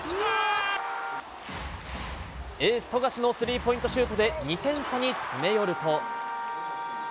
エース、富樫のスリーポイントシュートで２点差に詰め寄ると。